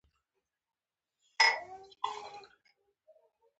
متن باید عام فهمه او پاک وي.